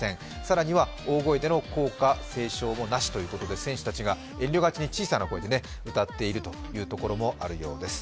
更には大声での校歌斉唱もなしということで、選手たちが遠慮がちに小さな声で歌っているところもあるようです。